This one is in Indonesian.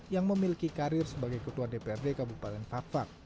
yang memiliki karir sebagai ketua dprd kabupaten fak fak